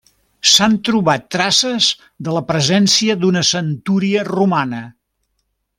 S'han trobat traces de la presència d'una centúria romana.